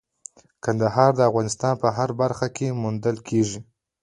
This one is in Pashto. کندهار د افغانستان په هره برخه کې موندل کېږي.